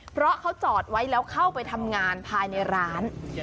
เพราะเขาจอดไว้แล้วเข้าไปทำงานภายในร้าน